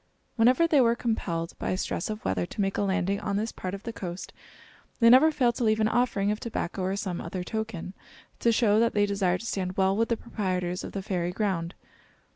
Whenever they were compelled by stress of weather to make a landing on this part of the coast, they never failed to leave an offering of tobacco or some other token, to show that they desired to stand well with the proprietors of the fairy ground.